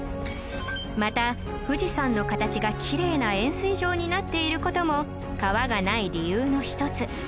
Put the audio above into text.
また富士山の形がキレイな円すい状になっている事も川がない理由の１つ